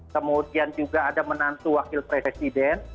kemudian juga ada menantu wakil presiden